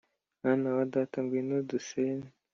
mwana wa data ngwino dusene